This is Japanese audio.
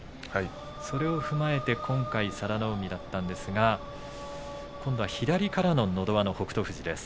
それを踏まえて今回佐田の海だったんですが今度は左からののど輪の北勝富士です。